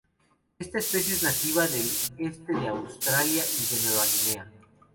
Esta especie es nativa del este de Australia y de Nueva Guinea.